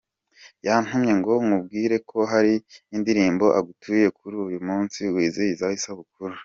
Yantumye ngo nkubwire ko hari indirimbo agutuye kuri uyu munsi wizihizaho isabukuru.